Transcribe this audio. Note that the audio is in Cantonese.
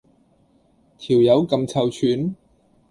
條友咁臭串？